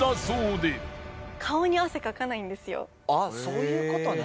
あっそういうことね。